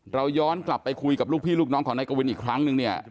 เราย้อนกลับไปคุยกับลูกพี่ลูกน้องของนายกวินอีกครั้งนึงเนี่ย